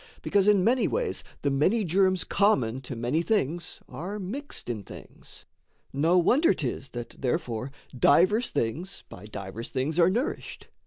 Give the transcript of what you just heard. Because in many ways the many germs Common to many things are mixed in things, No wonder 'tis that therefore divers things By divers things are nourished.